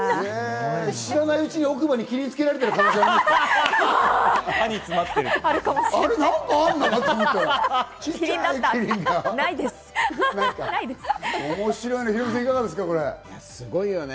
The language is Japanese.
知らないうちに奥歯にキリン付けられてる可能性あるね。